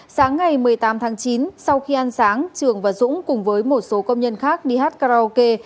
sáng ngày một mươi tám tháng chín sau khi ăn sáng trường và dũng cùng với một số công nhân khác đi hát karaoke